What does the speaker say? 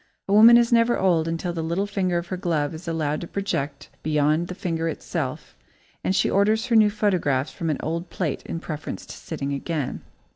A woman is never old until the little finger of her glove is allowed to project beyond the finger itself and she orders her new photographs from an old plate in preference to sitting again.